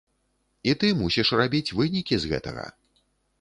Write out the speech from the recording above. І ты мусіш рабіць вынікі з гэтага.